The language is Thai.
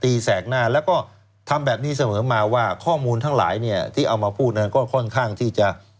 แสกหน้าแล้วก็ทำแบบนี้เสมอมาว่าข้อมูลทั้งหลายเนี่ยที่เอามาพูดนั้นก็ค่อนข้างที่จะ